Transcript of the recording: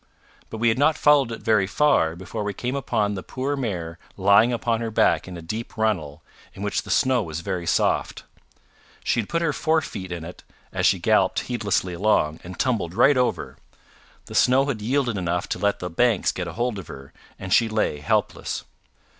But we had not followed it very far before we came upon the poor mare lying upon her back in a deep runnel, in which the snow was very soft. She had put her forefeet in it as she galloped heedlessly along, and tumbled right over. The snow had yielded enough to let the banks get a hold of her, and she lay helpless.